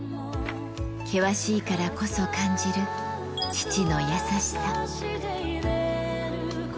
険しいからこそ感じる父の優しさ。